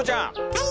はい！